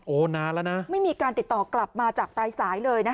นานแล้วนะไม่มีการติดต่อกลับมาจากปลายสายเลยนะคะ